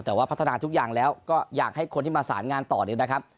แต่ว่าพัฒนาทุกอย่างแล้วก็อยากให้คนที่มาสารงานต่อเนี่ยนะครับ